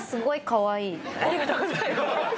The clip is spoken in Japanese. ありがとうございます